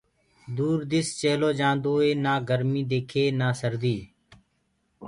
دور دِس چيلو جآندوئي نآ گرميٚ ديکي نآ سرديٚ